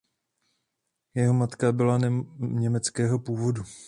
Jeho matka byla německého původu.